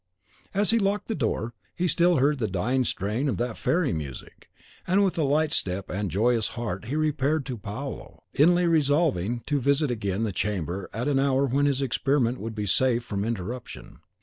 As he locked the door, he still heard the dying strain of that fairy music; and with a light step and a joyous heart he repaired to Paolo, inly resolving to visit again the chamber at an hour when his experiment would be safe from interruption.